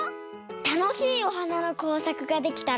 たのしいおはなのこうさくができたら。